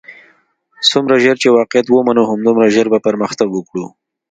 څومره ژر چې واقعیت ومنو همدومره ژر بۀ پرمختګ وکړو.